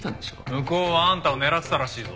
向こうはあんたを狙ってたらしいぞ。